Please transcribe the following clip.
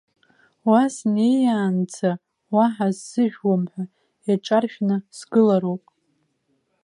Уа снеиаанӡа, уаҳа сзыжәуам ҳәа иаҿаршәны сгылароуп.